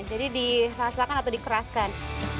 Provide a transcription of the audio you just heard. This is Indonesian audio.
jadi dirasakan atau dikeraskan